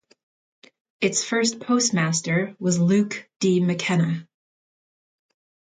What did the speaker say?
Its first postmaster was Luke D. McKenna.